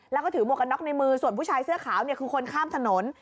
แล้วก็ถือหมวกกันน็อกในมือส่วนผู้ชายเสื้อขาวเนี่ยคือคนข้ามถนน